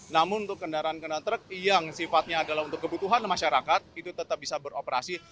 namun untuk kendaraan kendaraan truk yang sifatnya adalah untuk kebutuhan masyarakat itu tetap bisa beroperasi